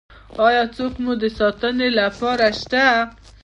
ایا څوک مو د ساتنې لپاره شته؟